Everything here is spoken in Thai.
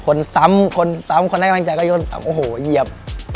ซ้ำคนซ้ำคนให้กำลังใจก็ย่นโอ้โหเหยียบ